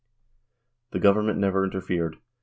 The government never interfered.